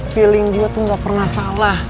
feeling dia tuh gak pernah salah